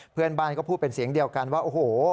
เพื่อนบ้านก็พูดเป็นเสียงเดียวกันว่าโอ้โห